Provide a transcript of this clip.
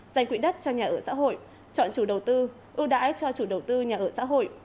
dành quỹ đất cho nhà ở xã hội chọn chủ đầu tư ưu đãi cho chủ đầu tư nhà ở xã hội